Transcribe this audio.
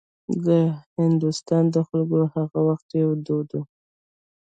د هندوستان د خلکو هغه وخت یو دود و.